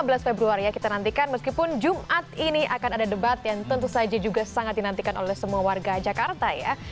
dua belas februari ya kita nantikan meskipun jumat ini akan ada debat yang tentu saja juga sangat dinantikan oleh semua warga jakarta ya